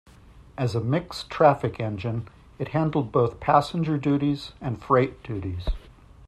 As a mixed traffic engine it handled both passenger duties and freight duties.